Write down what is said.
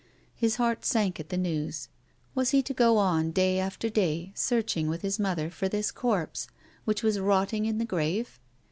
His heart sank at the news. Was he to go on day after day searching with his mother for this corpse, which was rotting in the grave?